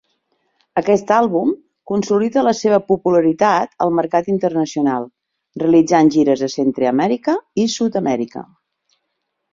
Aquest àlbum consolida la seva popularitat al mercat internacional, realitzant gires a Centreamèrica i Sud-amèrica.